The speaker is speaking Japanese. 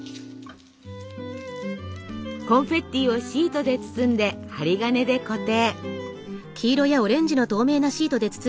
コンフェッティをシートで包んで針金で固定。